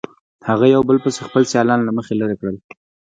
هغه یو په بل پسې خپل سیالان له مخې لرې کړل.